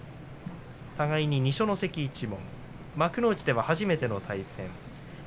互いに二所ノ関一門幕内では初めての対戦。